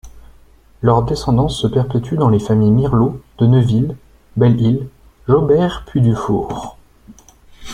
Leur descendance se perpétue dans les familles Mirleau de Neuville, Belle-Isle, Joybert puis Duffour.